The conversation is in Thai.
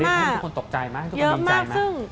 ทุกคนตกใจมากทุกคนดีใจมาก